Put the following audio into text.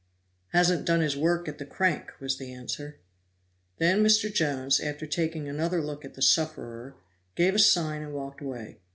"Hasn't done his work at the crank," was the answer. Then Mr. Jones, after taking another look at the sufferer, gave a sigh and walked away.